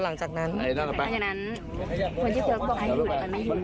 หลังจากนั้นคนชื่อเดียกลับไปอยู่แต่ไม่อยู่แล้วก็ยิง